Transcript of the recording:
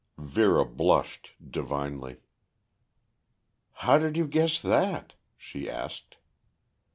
Vera blushed divinely. "How did you guess that?" she asked.